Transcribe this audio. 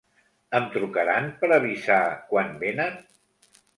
Em trucaran per avisar quan venen?